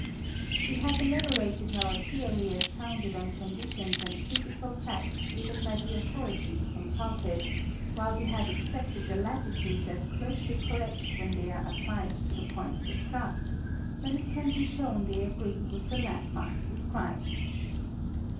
We have elaborated our theory as founded on conditions and physical facts given by the authorities consulted, while we have accepted the latitudes as closely correct when they are applied to the point discussed, when it can be shown they agree with the landmarks described.